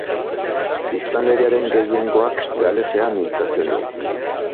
Biztanleriaren gehiengoak galesera mintzatzen du.